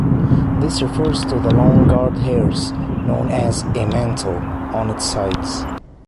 This refers to the long guard hairs, known as a "mantle", on its sides.